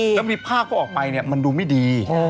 แล้วมีภาพเขาออกไปเนี่ยมันดูไม่ดี